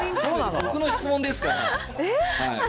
僕の質問ですから。